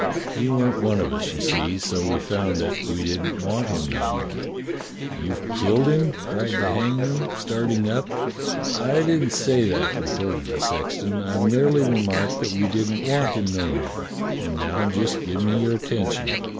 He weren't one of us, you see, so we found that we didn't want him no more." " You've killed him? " cried the hangman, starting up. A YOUNG RECRUIT 169 "I didn't say that," retorted the sexton. "I merely remarked that we didn't want him no more. And now just give me your attention.